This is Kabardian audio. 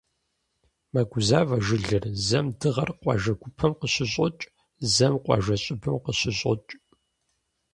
Мэгузавэ жылэр: зэм дыгъэр къуажэ гупэм къыщыщӀокӀ, зэм къуажэ щӀыбым къыщыщӀокӀ.